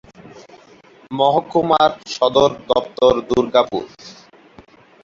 মহকুমার সদর দপ্তর দুর্গাপুর।